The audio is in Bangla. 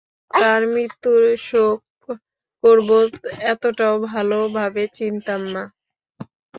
তার মৃত্যুর শোক করব এতটাও ভালোভাবে চিনতাম না।